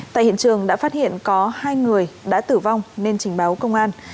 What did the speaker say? tại hiện trường đã phát hiện có hai người đã tử vong nên trình báo công an